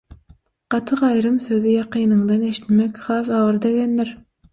Gaty-gaýrym sözi ýakynyňdan eşitmek has agyr degendir.